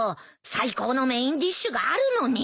最高のメインディッシュがあるのに。